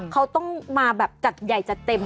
เขาต้องมาแบบจัดใหญ่จัดเต็ม